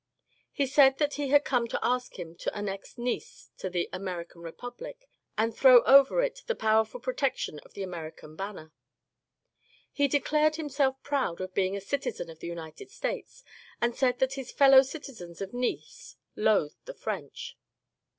He said that he had come to ask him to annex Nice to the American Republic and throw over it the ^^ powerful protection of the American ban ner I " He declared himself proud of being a citizen of the United States, and said that his ^* fellow citizens of Nice loathed the French."